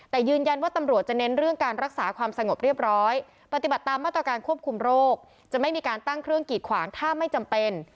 แต่ยืนยันว่าตำรวจจะเน้นเรื่องการรักษาความสงบเรียบร้อยปฏิบัติตามมาตรการควบคุมโรคจะไม่มีการตั้งเครื่องกีดขวางถ้าไม่จำเป็น